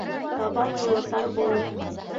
Табан юлы тар булыр.